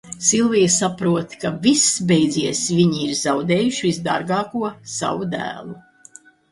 Silvija saprot, ka viss beidzies, viņi ir zaudējuši visdārgāko, savu dēlu.